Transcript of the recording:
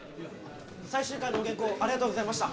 最終回のお原稿ありがとうございました！